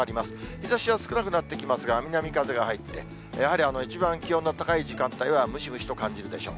日ざしは少なくなってきますが、南風が入って、やはり一番気温の高い時間帯はムシムシと感じるでしょう。